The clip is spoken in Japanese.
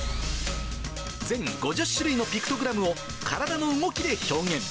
全５０種類のピクトグラムを体の動きで表現。